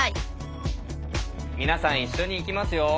皆さん一緒にいきますよ。